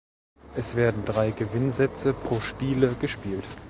Es werden drei Gewinnsätze pro Spiele gespielt.